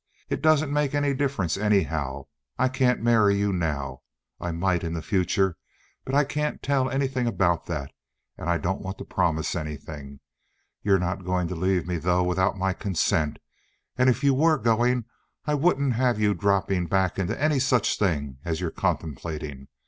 It doesn't make any difference, anyhow. I can't marry you now. I might in the future, but I can't tell anything about that, and I don't want to promise anything. You're not going to leave me though with my consent, and if you were going I wouldn't have you dropping back into any such thing as you're contemplating.